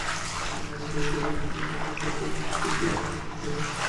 আমার মনে হয়, কবিতে আর বোকাতে বিশেষ তফাত নেই।